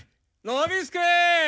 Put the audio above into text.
ノビスケ！